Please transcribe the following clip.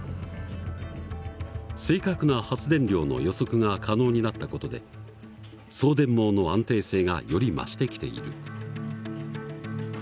正確な発電量の予測が可能になった事で送電網の安定性がより増してきている。